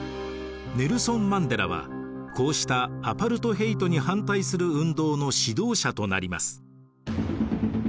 ネルソン・マンデラはこうしたアパルトヘイトに反対する運動の指導者となります。